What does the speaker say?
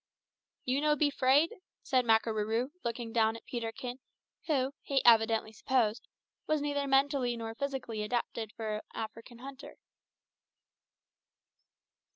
"You no be 'fraid?" said Makarooroo, looking down at Peterkin, who, he evidently supposed, was neither mentally nor physically adapted for an African hunter.